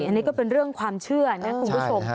อันนี้ก็เป็นเรื่องความเชื่อนะคุณผู้ชม